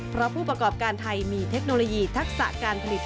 เพราะผู้ประกอบการไทยมีเทคโนโลยีทักษะการผลิต